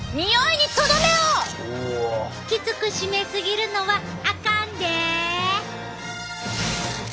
きつく締め過ぎるのはあかんで。